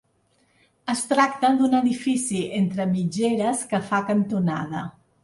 Es tracta d'un edifici entre mitgeres que fa cantonada.